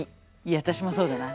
私もそうだな。